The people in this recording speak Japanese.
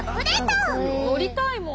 乗りたいもん。